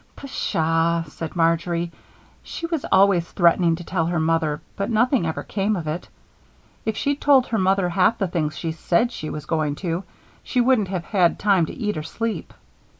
"Pshaw!" said Marjory. "She was always threatening to tell her mother, but nothing ever came of it. If she'd told her mother half the things she said she was going to, she wouldn't have had time to eat or sleep."